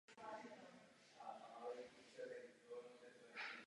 Do druhé Velké ceny nastoupil v Itálii.